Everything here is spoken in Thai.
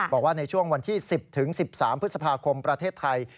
บอกว่าในช่วงวันที่๑๐๑๓พฤษภาคมประเทศไทย